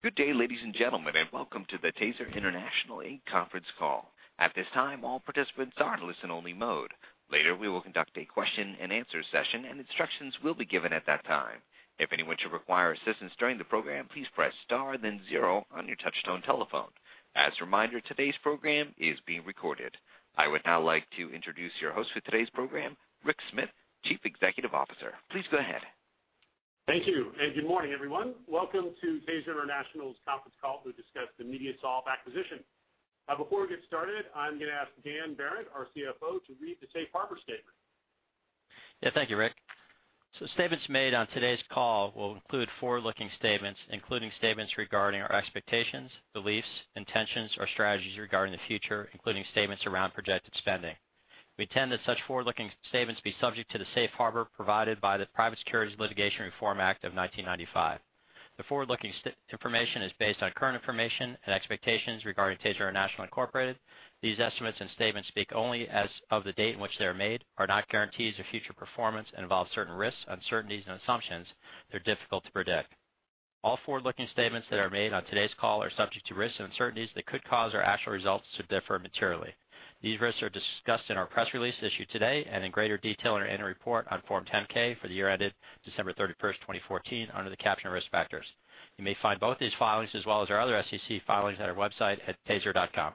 Good day, ladies and gentlemen, and welcome to the TASER International Conference Call. At this time, all participants are in listen-only mode. Later, we will conduct a question-and-answer session, and instructions will be given at that time. If anyone should require assistance during the program, please press star, then zero, on your touch-tone telephone. As a reminder, today's program is being recorded. I would now like to introduce your host for today's program, Rick Smith, Chief Executive Officer. Please go ahead. Thank you, and good morning, everyone. Welcome to TASER International's conference call. We'll discuss the MediaSolv acquisition. Now, before we get started, I'm going to ask Dan Barrett, our CFO, to read the Safe Harbor Statement. Yeah, thank you, Rick. So the statements made on today's call will include forward-looking statements, including statements regarding our expectations, beliefs, intentions, or strategies regarding the future, including statements around projected spending. We intend that such forward-looking statements be subject to the Safe Harbor provided by the Private Securities Litigation Reform Act of 1995. The forward-looking information is based on current information and expectations regarding TASER International Incorporated. These estimates and statements speak only as of the date in which they are made, are not guarantees of future performance, and involve certain risks, uncertainties, and assumptions that are difficult to predict. All forward-looking statements that are made on today's call are subject to risks and uncertainties that could cause our actual results to differ materially. These risks are discussed in our press release issued today and in greater detail in our annual report on Form 10-K for the year ended December 31st, 2014, under the caption of risk factors. You may find both of these filings, as well as our other SEC filings, at our website at TASER.com.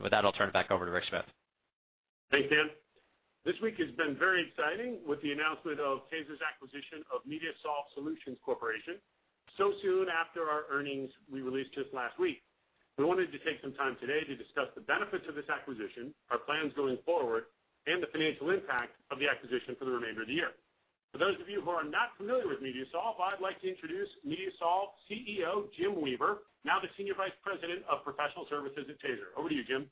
With that, I'll turn it back over to Rick Smith. Thanks, Dan. This week has been very exciting with the announcement of TASER's acquisition of MediaSolv Solutions Corporation, so soon after our earnings we released just last week. We wanted to take some time today to discuss the benefits of this acquisition, our plans going forward, and the financial impact of the acquisition for the remainder of the year. For those of you who are not familiar with MediaSolv, I'd like to introduce MediaSolv CEO Jim Weaver, now the Senior Vice President of Professional Services at TASER. Over to you, Jim.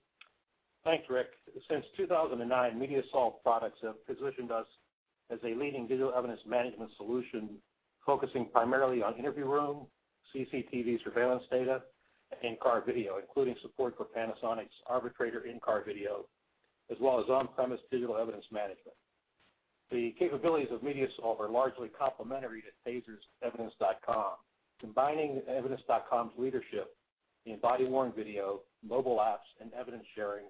Thanks, Rick. Since 2009, MediaSolv products have positioned us as a leading digital evidence management solution focusing primarily on interview room, CCTV surveillance data, and car video, including support for Panasonic's Arbitrator in-car video, as well as on-premise digital evidence management. The capabilities of MediaSolv are largely complementary to TASER's Evidence.com. Combining Evidence.com's leadership, the body-worn video, mobile apps, and evidence sharing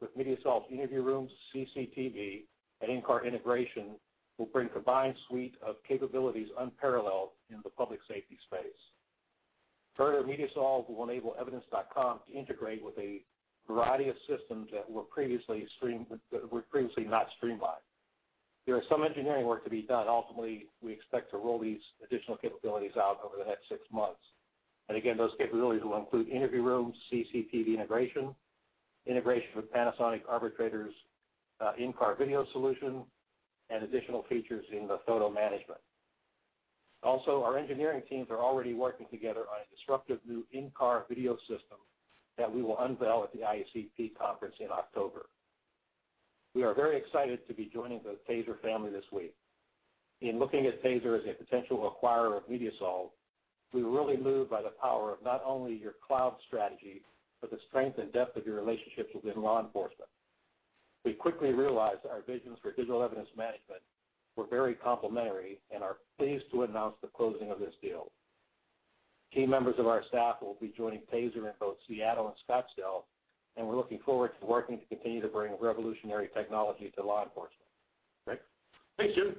with MediaSolv's interview rooms, CCTV, and in-car integration will bring a combined suite of capabilities unparalleled in the public safety space. Further, MediaSolv will enable Evidence.com to integrate with a variety of systems that were previously not streamlined. There is some engineering work to be done. Ultimately, we expect to roll these additional capabilities out over the next six months. And again, those capabilities will include interview rooms, CCTV integration, integration with Panasonic Arbitrator's in-car video solution, and additional features in the photo management. Also, our engineering teams are already working together on a disruptive new in-car video system that we will unveil at the IACP conference in October. We are very excited to be joining the TASER family this week. In looking at TASER as a potential acquirer of MediaSolv, we were really moved by the power of not only your cloud strategy, but the strength and depth of your relationships within law enforcement. We quickly realized our visions for digital evidence management were very complementary and are pleased to announce the closing of this deal. Key members of our staff will be joining TASER in both Seattle and Scottsdale, and we're looking forward to working to continue to bring revolutionary technology to law enforcement. Rick? Thanks, Jim.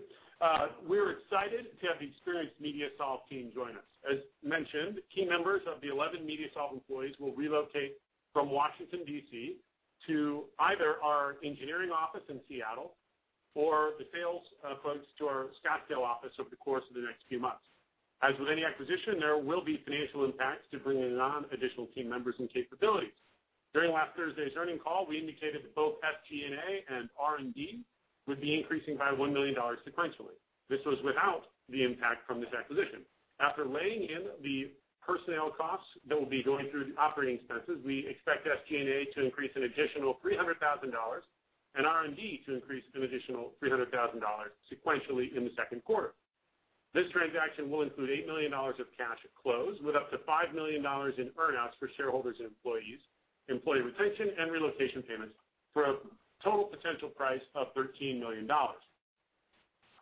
We are excited to have the experienced MediaSolv team join us. As mentioned, key members of the 11 MediaSolv employees will relocate from Washington, D.C., to either our engineering office in Seattle or the sales folks to our Scottsdale office over the course of the next few months. As with any acquisition, there will be financial impacts to bringing on additional team members and capabilities. During last Thursday's earnings call, we indicated that both SG&A and R&D would be increasing by $1 million sequentially. This was without the impact from this acquisition. After laying in the personnel costs that will be going through the operating expenses, we expect SG&A to increase an additional $300,000 and R&D to increase an additional $300,000 sequentially in the second quarter. This transaction will include $8 million of cash at close, with up to $5 million in earnouts for shareholders and employees, employee retention, and relocation payments for a total potential price of $13 million.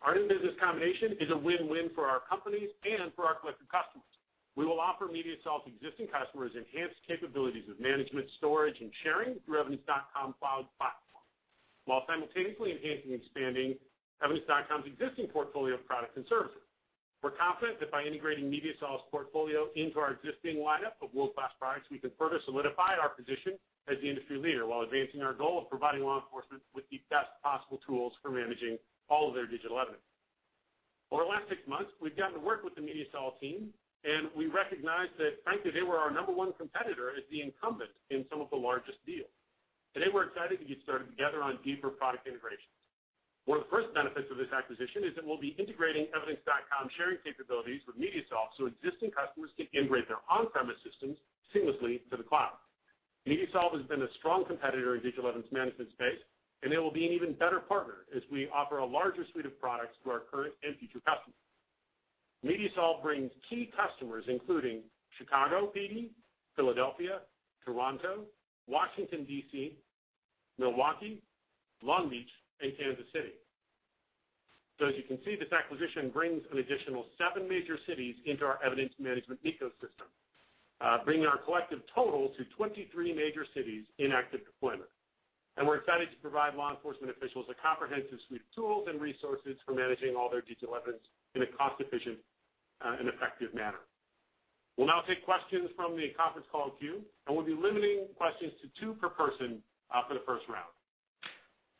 Our new business combination is a win-win for our companies and for our collective customers. We will offer MediaSolv's existing customers enhanced capabilities of management, storage, and sharing through Evidence.com Cloud Platform, while simultaneously enhancing and expanding Evidence.com's existing portfolio of products and services. We're confident that by integrating MediaSolv's portfolio into our existing lineup of world-class products, we can further solidify our position as the industry leader while advancing our goal of providing law enforcement with the best possible tools for managing all of their digital evidence. Over the last six months, we've gotten to work with the MediaSolv team, and we recognize that, frankly, they were our number one competitor as the incumbent in some of the largest deals. Today, we're excited to get started together on deeper product integration. One of the first benefits of this acquisition is that we'll be integrating Evidence.com's sharing capabilities with MediaSolv so existing customers can integrate their on-premise systems seamlessly to the cloud. MediaSolv has been a strong competitor in digital evidence management space, and they will be an even better partner as we offer a larger suite of products to our current and future customers. MediaSolv brings key customers, including Chicago PD, Philadelphia, Toronto, Washington, D.C., Milwaukee, Long Beach, and Kansas City. As you can see, this acquisition brings an additional seven major cities into our evidence management ecosystem, bringing our collective total to 23 major cities in active deployment. We're excited to provide law enforcement officials a comprehensive suite of tools and resources for managing all their digital evidence in a cost-efficient and effective manner. We'll now take questions from the conference call queue, and we'll be limiting questions to two per person for the first round.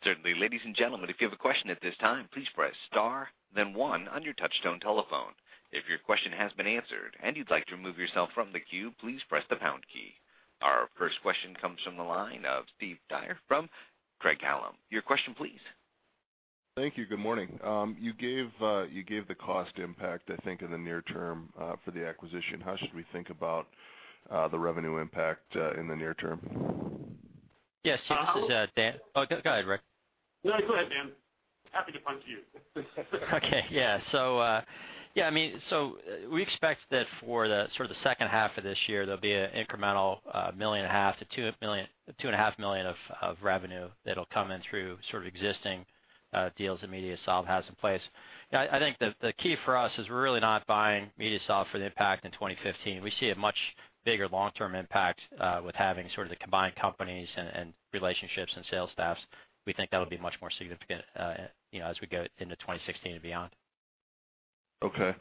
Certainly. Ladies and gentlemen, if you have a question at this time, please press star, then one on your touch-tone telephone. If your question has been answered and you'd like to remove yourself from the queue, please press the pound key. Our first question comes from the line of Steve Dyer from Craig-Hallum. Your question, please. Thank you. Good morning. You gave the cost impact, I think, in the near term for the acquisition. How should we think about the revenue impact in the near term? Yeah, so this is Dan. Oh, go ahead, Rick. No, go ahead, Dan. Happy to punt to you. Okay. Yeah. So, yeah, I mean, so we expect that for the sort of the second half of this year, there'll be an incremental $1.5 million-$2.5 million of revenue that'll come in through sort of existing deals that MediaSolv has in place. I think the key for us is we're really not buying MediaSolv for the impact in 2015. We see a much bigger long-term impact with having sort of the combined companies and relationships and sales staffs. We think that'll be much more significant as we go into 2016 and beyond. Okay.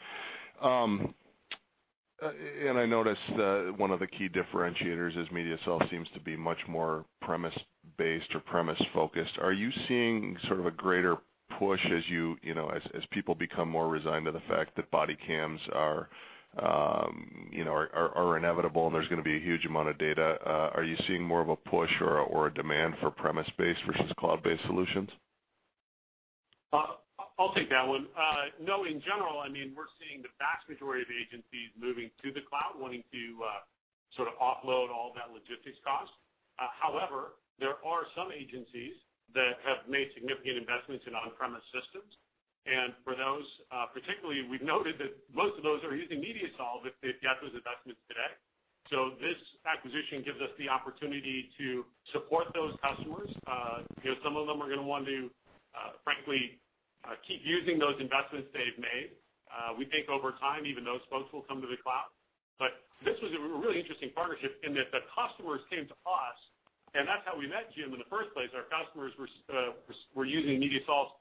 And I noticed that one of the key differentiators is MediaSolv seems to be much more premise-based or premise-focused. Are you seeing sort of a greater push as people become more resigned to the fact that body cams are inevitable and there's going to be a huge amount of data? Are you seeing more of a push or a demand for premise-based versus cloud-based solutions? I'll take that one. No, in general, I mean, we're seeing the vast majority of agencies moving to the cloud, wanting to sort of offload all that logistics cost. However, there are some agencies that have made significant investments in on-premise systems. And for those, particularly, we've noted that most of those are using MediaSolv if they've got those investments today. So this acquisition gives us the opportunity to support those customers. Some of them are going to want to, frankly, keep using those investments they've made. We think over time, even those folks will come to the cloud. But this was a really interesting partnership in that the customers came to us, and that's how we met Jim in the first place. Our customers were using MediaSolv's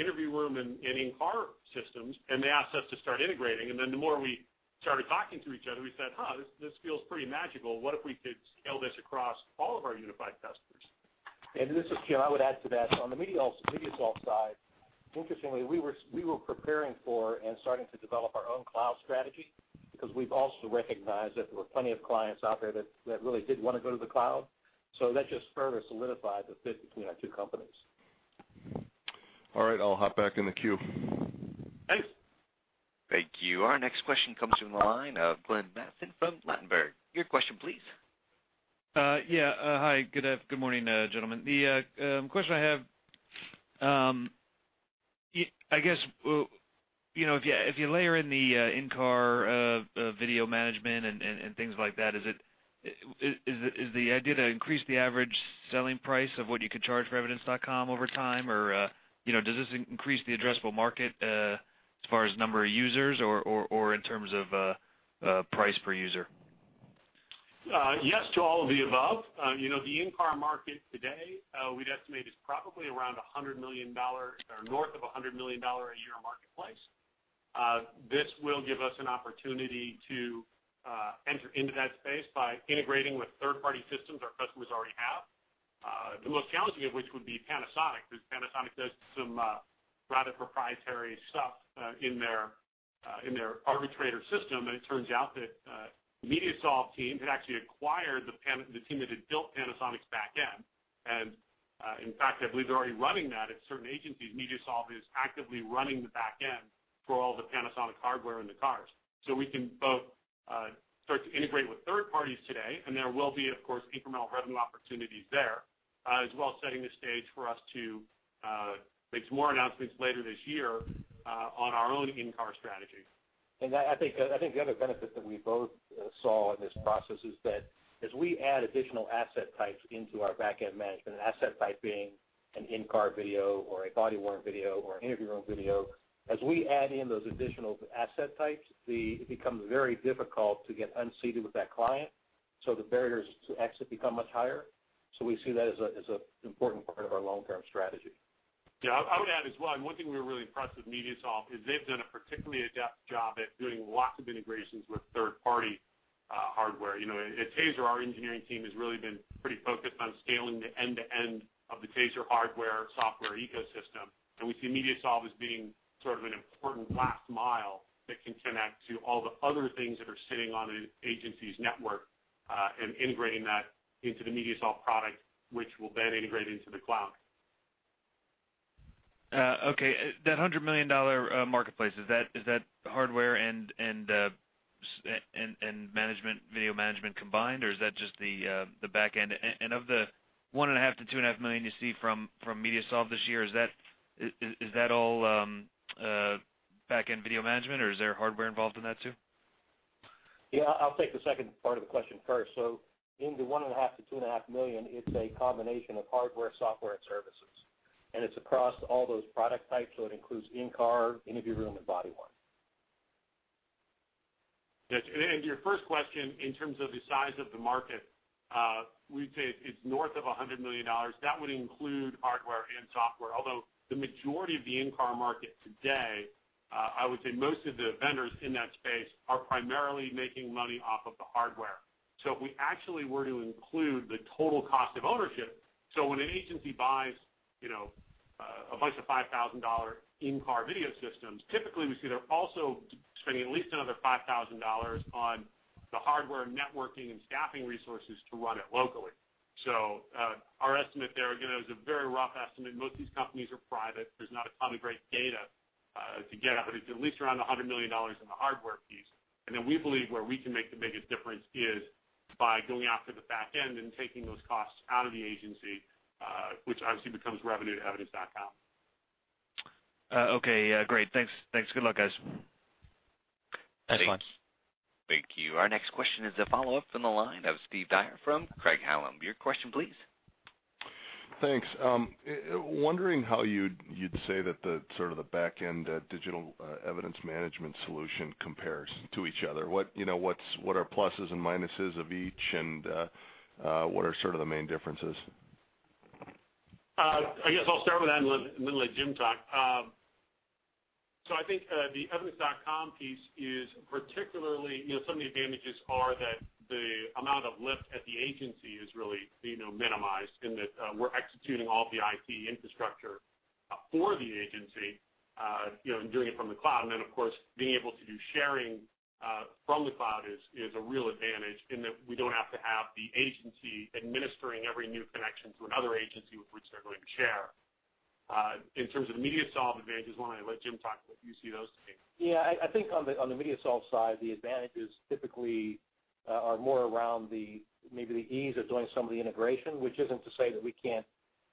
interview room and in-car systems, and they asked us to start integrating. And then the more we started talking to each other, we said, "Huh, this feels pretty magical. What if we could scale this across all of our unified customers? This is Tim. I would add to that. On the MediaSolv side, interestingly, we were preparing for and starting to develop our own cloud strategy because we've also recognized that there were plenty of clients out there that really did want to go to the cloud. So that just further solidified the fit between our two companies. All right. I'll hop back in the queue. Thanks. Thank you. Our next question comes from the line of Glenn Mattson from Ladenburg. Your question, please. Yeah. Hi. Good morning, gentlemen. The question I have, I guess, if you layer in the in-car video management and things like that, is the idea to increase the average selling price of what you could charge for Evidence.com over time, or does this increase the addressable market as far as number of users or in terms of price per user? Yes to all of the above. The in-car market today, we'd estimate is probably around $100 million or north of $100 million a year marketplace. This will give us an opportunity to enter into that space by integrating with third-party systems our customers already have. The most challenging of which would be Panasonic because Panasonic does some rather proprietary stuff in their Arbitrator system. It turns out that the MediaSolv team had actually acquired the team that had built Panasonic's backend. In fact, I believe they're already running that at certain agencies. MediaSolv is actively running the backend for all the Panasonic hardware in the cars. So we can both start to integrate with third parties today, and there will be, of course, incremental revenue opportunities there, as well as setting the stage for us to make some more announcements later this year on our own in-car strategy. I think the other benefit that we both saw in this process is that as we add additional asset types into our backend management, an asset type being an in-car video or a body-worn video or an interview room video, as we add in those additional asset types, it becomes very difficult to get unseated with that client. The barriers to exit become much higher. We see that as an important part of our long-term strategy. Yeah. I would add as well, and one thing we were really impressed with MediaSolv is they've done a particularly adept job at doing lots of integrations with third-party hardware. At TASER, our engineering team has really been pretty focused on scaling the end-to-end of the TASER hardware software ecosystem. And we see MediaSolv as being sort of an important last mile that can connect to all the other things that are sitting on the agency's network and integrating that into the MediaSolv product, which will then integrate into the cloud. Okay. That $100 million marketplace, is that hardware and video management combined, or is that just the backend? And of the $1.5 million-$2.5 million you see from MediaSolv this year, is that all backend video management, or is there hardware involved in that too? Yeah. I'll take the second part of the question first. So in the $1.5 million-$2.5 million, it's a combination of hardware, software, and services. And it's across all those product types, so it includes in-car, interview room, and body-worn. Yes. And your first question, in terms of the size of the market, we'd say it's north of $100 million. That would include hardware and software. Although the majority of the in-car market today, I would say most of the vendors in that space are primarily making money off of the hardware. So if we actually were to include the total cost of ownership, so when an agency buys a bunch of $5,000 in-car video systems, typically we see they're also spending at least another $5,000 on the hardware, networking, and staffing resources to run it locally. So our estimate there, again, is a very rough estimate. Most of these companies are private. There's not a ton of great data to get out, but it's at least around $100 million in the hardware piece. Then we believe where we can make the biggest difference is by going after the backend and taking those costs out of the agency, which obviously becomes revenue to Evidence.com. Okay. Great. Thanks. Good luck, guys. Thanks. Thank you. Our next question is a follow-up from the line of Steve Dyer from Craig-Hallum. Your question, please. Thanks. Wondering how you'd say that sort of the backend digital evidence management solution compares to each other? What are pluses and minuses of each, and what are sort of the main differences? I guess I'll start with that and then let Jim talk. So I think the Evidence.com piece is particularly some of the advantages are that the amount of lift at the agency is really minimized in that we're executing all the IT infrastructure for the agency and doing it from the cloud. And then, of course, being able to do sharing from the cloud is a real advantage in that we don't have to have the agency administering every new connection to another agency with which they're going to share. In terms of the MediaSolv advantages, when I let Jim talk, you see those too. Yeah. I think on the MediaSolv side, the advantages typically are more around maybe the ease of doing some of the integration, which isn't to say that we can't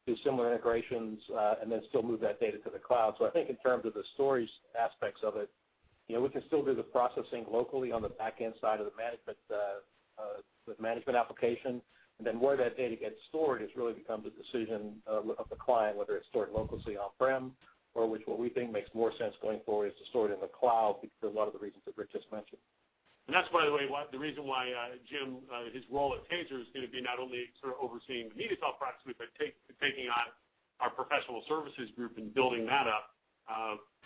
do similar integrations and then still move that data to the cloud. So I think in terms of the storage aspects of it, we can still do the processing locally on the backend side of the management application. And then where that data gets stored has really become the decision of the client, whether it's stored locally on-prem or which, what we think makes more sense going forward is to store it in the cloud for a lot of the reasons that Rick just mentioned. That's, by the way, the reason why Jim's role at TASER is going to be not only sort of overseeing the MediaSolv product, but taking on our professional services group and building that up.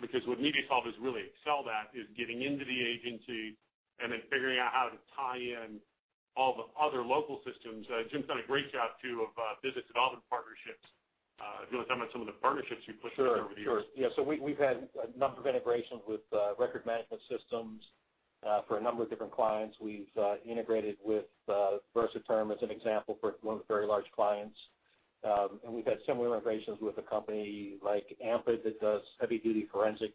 Because what MediaSolv has really excelled at is getting into the agency and then figuring out how to tie in all the other local systems. Jim's done a great job too of business development partnerships. Do you want to talk about some of the partnerships you've pushed for over the years? Sure. Sure. Yeah. So we've had a number of integrations with records management systems for a number of different clients. We've integrated with Versaterm as an example for one of the very large clients. And we've had similar integrations with a company like Amped that does heavy-duty forensic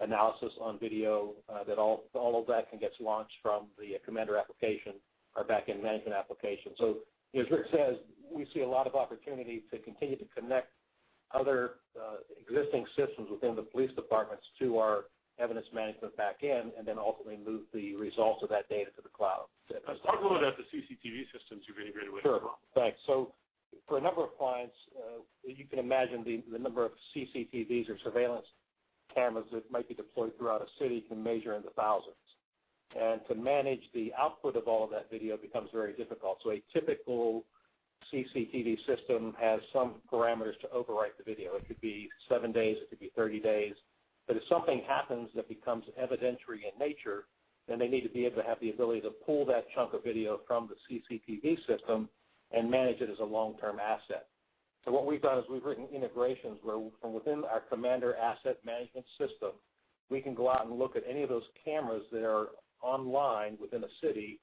analysis on video. All of that can get launched from the Commander application or backend management application. So as Rick says, we see a lot of opportunity to continue to connect other existing systems within the police departments to our evidence management backend and then ultimately move the results of that data to the cloud. Let's talk a little bit about the CCTV systems you've integrated with as well. Sure. Thanks. So for a number of clients, you can imagine the number of CCTVs or surveillance cameras that might be deployed throughout a city can measure in the thousands. And to manage the output of all of that video becomes very difficult. So a typical CCTV system has some parameters to overwrite the video. It could be 7 days. It could be 30 days. But if something happens that becomes evidentiary in nature, then they need to be able to have the ability to pull that chunk of video from the CCTV system and manage it as a long-term asset. So what we've done is we've written integrations where from within our Commander asset management system, we can go out and look at any of those cameras that are online within a city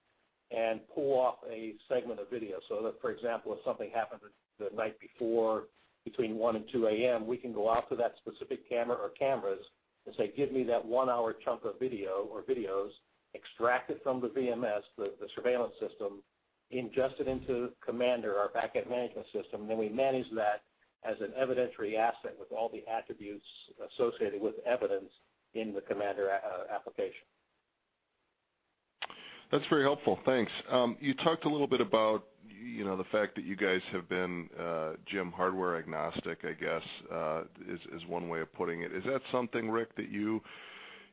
and pull off a segment of video. So for example, if something happened the night before between 1:00 A.M. and 2:00 A.M., we can go out to that specific camera or cameras and say, "Give me that one-hour chunk of video or videos extracted from the VMS, the surveillance system, ingested into Commander or backend management system." And then we manage that as an evidentiary asset with all the attributes associated with evidence in the Commander application. That's very helpful. Thanks. You talked a little bit about the fact that you guys have been, Jim, hardware agnostic, I guess, is one way of putting it. Is that something, Rick, that you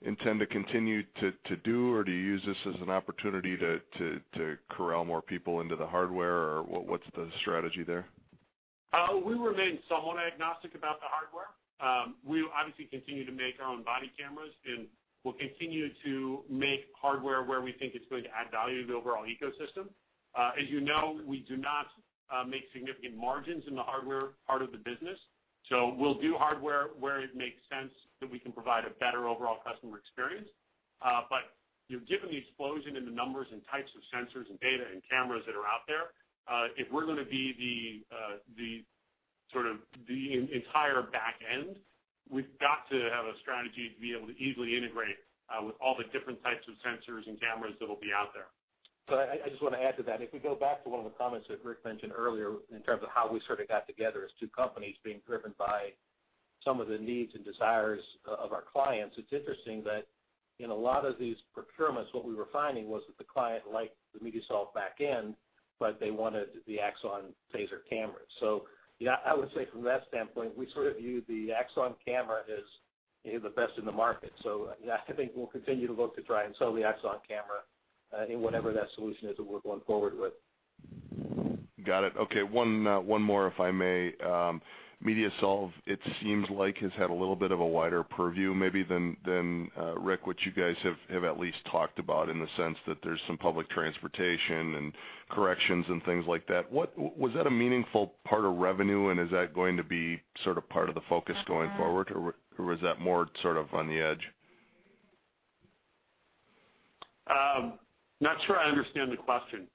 intend to continue to do, or do you use this as an opportunity to corral more people into the hardware, or what's the strategy there? We remain somewhat agnostic about the hardware. We will obviously continue to make our own body cameras, and we'll continue to make hardware where we think it's going to add value to the overall ecosystem. As you know, we do not make significant margins in the hardware part of the business. So we'll do hardware where it makes sense that we can provide a better overall customer experience. But given the explosion in the numbers and types of sensors and data and cameras that are out there, if we're going to be the sort of the entire backend, we've got to have a strategy to be able to easily integrate with all the different types of sensors and cameras that will be out there. So I just want to add to that. If we go back to one of the comments that Rick mentioned earlier in terms of how we sort of got together as two companies being driven by some of the needs and desires of our clients, it's interesting that in a lot of these procurements, what we were finding was that the client liked the MediaSolv backend, but they wanted the Axon TASER cameras. So I would say from that standpoint, we sort of view the Axon camera as the best in the market. So I think we'll continue to look to try and sell the Axon camera in whatever that solution is that we're going forward with. Got it. Okay. One more, if I may. MediaSolv, it seems like, has had a little bit of a wider purview maybe than Rick, which you guys have at least talked about in the sense that there's some public transportation and corrections and things like that. Was that a meaningful part of revenue, and is that going to be sort of part of the focus going forward, or was that more sort of on the edge? Not sure I understand the question.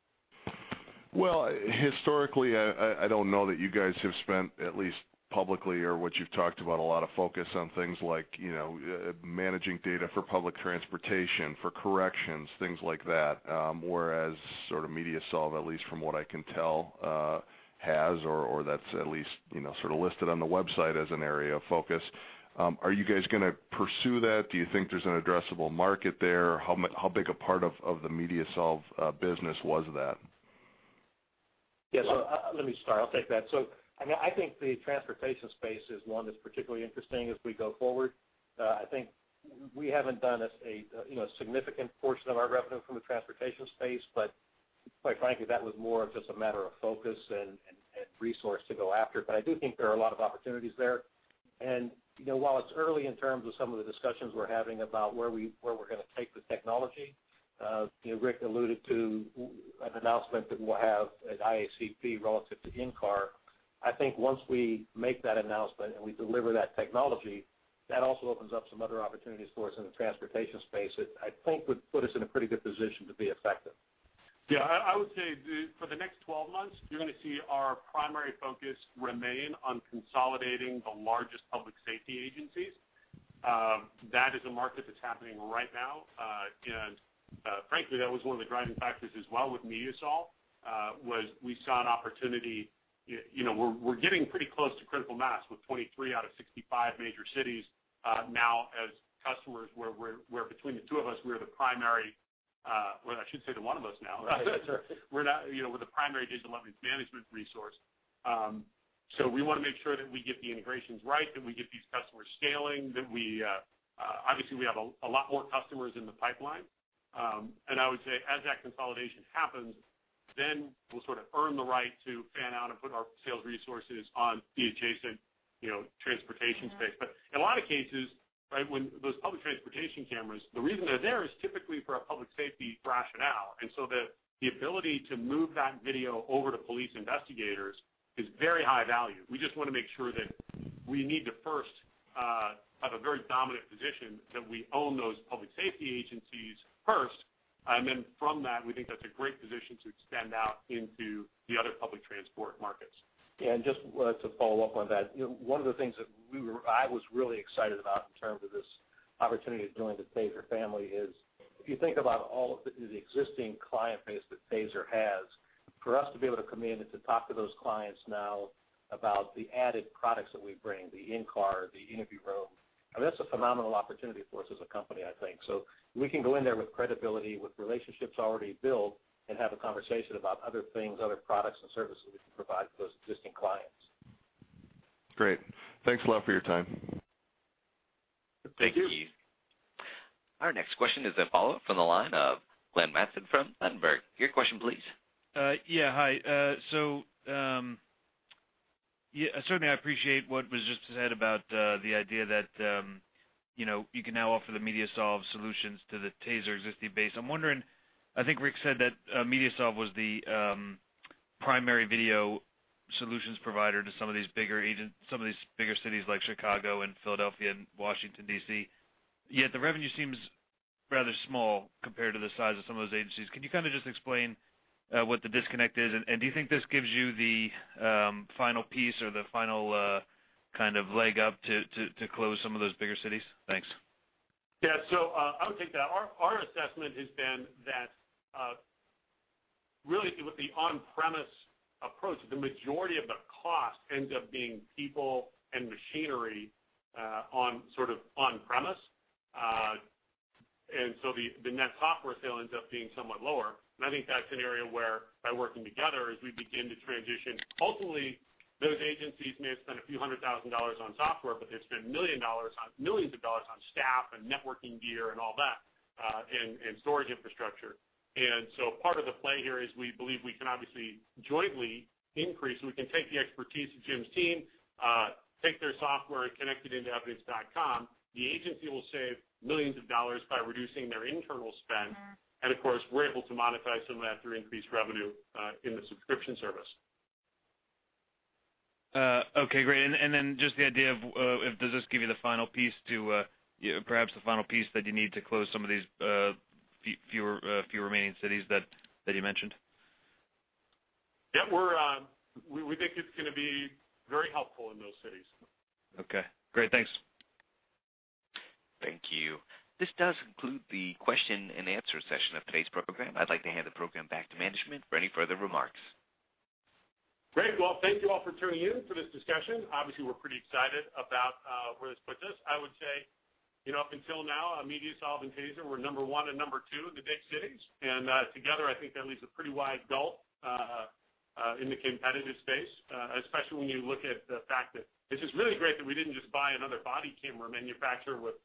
Well, historically, I don't know that you guys have spent at least publicly or what you've talked about a lot of focus on things like managing data for public transportation, for corrections, things like that, whereas sort of MediaSolv, at least from what I can tell, has, or that's at least sort of listed on the website as an area of focus. Are you guys going to pursue that? Do you think there's an addressable market there? How big a part of the MediaSolv business was that? Yeah. So let me start. I'll take that. So I think the transportation space is one that's particularly interesting as we go forward. I think we haven't done a significant portion of our revenue from the transportation space, but quite frankly, that was more of just a matter of focus and resource to go after. But I do think there are a lot of opportunities there. And while it's early in terms of some of the discussions we're having about where we're going to take the technology, Rick alluded to an announcement that we'll have at IACP relative to in-cars. I think once we make that announcement and we deliver that technology, that also opens up some other opportunities for us in the transportation space that I think would put us in a pretty good position to be effective. Yeah. I would say for the next 12 months, you're going to see our primary focus remain on consolidating the largest public safety agencies. That is a market that's happening right now. And frankly, that was one of the driving factors as well with MediaSolv, as we saw an opportunity. We're getting pretty close to critical mass with 23 out of 65 major cities now as customers, where between the two of us, we're the primary, well, I should say the one of us now. We're now the primary digital evidence management resource. So we want to make sure that we get the integrations right, that we get these customers scaling, that we obviously have a lot more customers in the pipeline. And I would say as that consolidation happens, then we'll sort of earn the right to fan out and put our sales resources on the adjacent transportation space. But in a lot of cases, right, when those public transportation cameras, the reason they're there is typically for a public safety rationale. And so the ability to move that video over to police investigators is very high value. We just want to make sure that we need to first have a very dominant position that we own those public safety agencies first. And then from that, we think that's a great position to extend out into the other public transport markets. Yeah. And just to follow up on that, one of the things that I was really excited about in terms of this opportunity to join the TASER family is if you think about all of the existing client base that TASER has, for us to be able to come in and to talk to those clients now about the added products that we bring, the in-cars, the interview room, I mean, that's a phenomenal opportunity for us as a company, I think. So we can go in there with credibility, with relationships already built, and have a conversation about other things, other products, and services we can provide for those existing clients. Great. Thanks a lot for your time. Thank you. Our next question is a follow-up from the line of Glenn Mattson from Ladenburg Thalmann. Your question, please. Yeah. Hi. So certainly, I appreciate what was just said about the idea that you can now offer the MediaSolv solutions to the TASER existing base. I'm wondering, I think Rick said that MediaSolv was the primary video solutions provider to some of these bigger cities like Chicago and Philadelphia and Washington, D.C. Yet the revenue seems rather small compared to the size of some of those agencies. Can you kind of just explain what the disconnect is? And do you think this gives you the final piece or the final kind of leg up to close some of those bigger cities? Thanks. Yeah. So I would take that. Our assessment has been that really with the on-premise approach, the majority of the cost ends up being people and machinery on sort of on-premise. And so the net software sale ends up being somewhat lower. And I think that's an area where by working together as we begin to transition, ultimately, those agencies may have spent $a few hundred thousand on software, but they've spent $millions on staff and networking gear and all that and storage infrastructure. And so part of the play here is we believe we can obviously jointly increase. We can take the expertise of Jim's team, take their software, and connect it into Evidence.com. The agency will save $millions by reducing their internal spend. And of course, we're able to monetize some of that through increased revenue in the subscription service. Okay. Great. And then just the idea of does this give you the final piece to perhaps the final piece that you need to close some of these few remaining cities that you mentioned? Yeah. We think it's going to be very helpful in those cities. Okay. Great. Thanks. Thank you. This does conclude the question and answer session of today's program. I'd like to hand the program back to management for any further remarks. Great. Well, thank you all for tuning in for this discussion. Obviously, we're pretty excited about where this puts us. I would say up until now, MediaSolv and TASER were number one and number two in the big cities. And together, I think that leaves a pretty wide gulf in the competitive space, especially when you look at the fact that this is really great that we didn't just buy another body camera manufacturer with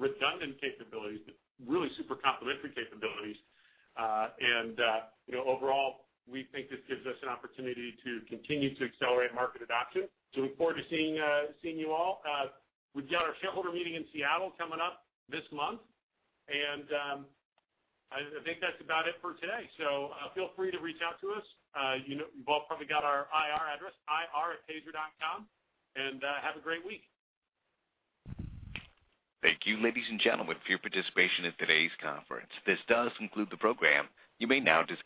redundant capabilities, but really super complementary capabilities. And overall, we think this gives us an opportunity to continue to accelerate market adoption. So look forward to seeing you all. We've got our shareholder meeting in Seattle coming up this month. And I think that's about it for today. So feel free to reach out to us. You've all probably got our IR address, ir@taser.com. And have a great week. Thank you, ladies and gentlemen, for your participation in today's conference. This does conclude the program. You may now disconnect.